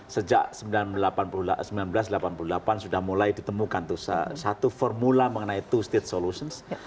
sejak seribu sembilan ratus delapan puluh delapan sudah mulai ditemukan tuh satu formula mengenai two state solutions